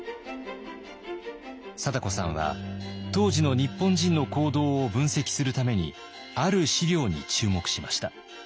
貞子さんは当時の日本人の行動を分析するためにある資料に注目しました。